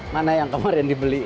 mana yang kemarin dibeli